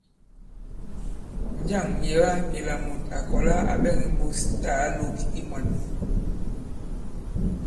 Njâŋ myèga mila mùt à kɔ̀la à ɓɛŋ imbūs tâ ǎ lōk i mwān ?